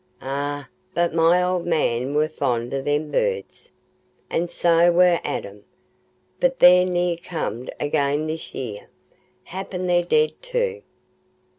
Eh, but my old man war fond o' them birds! An' so war Adam, but they'n ne'er comed again this 'ear. Happen they're dead too."